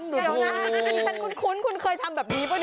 เดี๋ยวนะดิฉันคุ้นคุณเคยทำแบบนี้ป่ะ